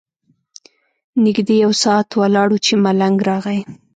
نږدې یو ساعت ولاړ وو چې ملنګ راغی.